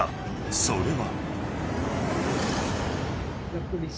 ［それは］